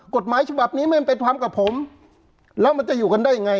กฎหมายฉบับนี้ไม่เป็นความกับผมแล้วมันจะอยู่กันได้ยังไง